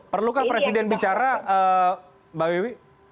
perlukah presiden bicara mbak wiwi